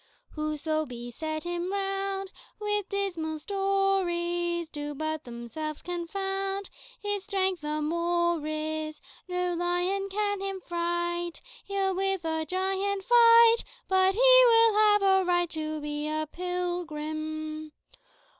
"Whoso beset him round With dismal stories, Do but themselves confound His strength the more is. No lion can him fright; He'll with a giant fight, But he will have a right To be a pilgrim.